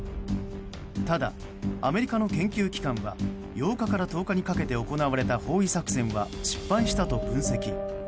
ただアメリカの研究機関は８日から１０日にかけて行われた包囲作戦は失敗したと分析。